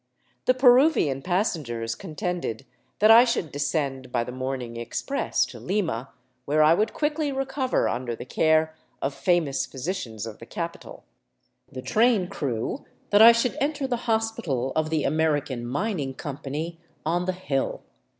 The Peruvian passengers contended that I should descend by the morning express to Lima, where I would quickly recover under the care of famous physicians of the capital; the train crew that I should entfer the hospital of the American mining company on " the Hill."